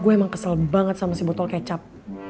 gue emang kesel banget sama si botol kecap